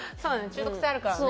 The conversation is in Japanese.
中毒性あるからね。